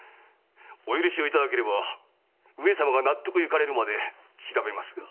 お許しをいただければ上様が納得いかれるまで調べますが。